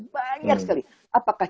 banyak sekali apakah